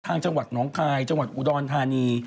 จังหวัดหนองคายจังหวัดอุดรธานี